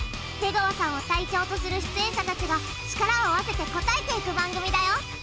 出川さんを隊長とする出演者たちが力を合わせて答えていく番組だよ！